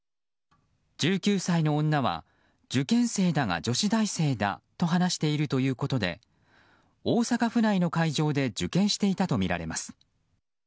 １９歳の女は受験生だが女子大生だと話しているということで大阪府内の会場で受験していたとみられます。